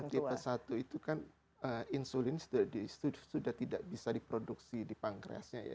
dmt satu itu kan insulin sudah tidak bisa diproduksi di pankreasnya